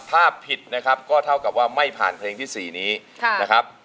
ถ้าผิดนะครับก็เท่ากับว่าไม่ผ่านเพลงที่๔นี้นะครับ